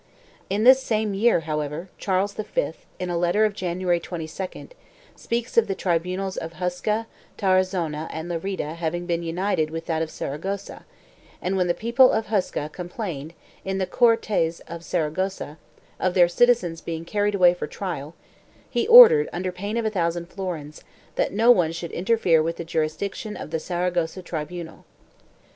In this same year, however, Charles V, in a letter of Jan uary 22nd, speaks of the tribunals of Huesca, Tarazona and Lerida having been united with that of Saragossa, and, when the people of Huesca complained, in the Cortes of Saragossa, of their citizens being carried away for trial, he ordered, under pain of a thousand florins, that no one should interfere with the jurisdiction of the Saragossa tribunal.